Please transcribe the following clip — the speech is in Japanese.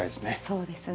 そうですね。